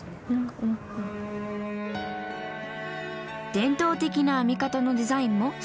伝統的な編み方のデザインもすてき。